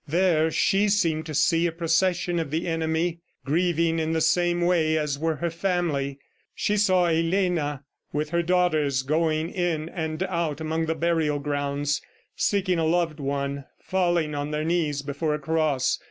There she seemed to see a procession of the enemy, grieving in the same way as were her family. She saw Elena with her daughters going in and out among the burial grounds, seeking a loved one, falling on their knees before a cross.